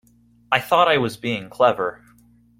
I thought I was being clever.